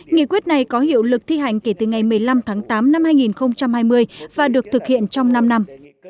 nghị quyết này có hiệu lực thi hành kể từ ngày một mươi năm tháng tám năm hai nghìn hai mươi và được thực hiện trong năm năm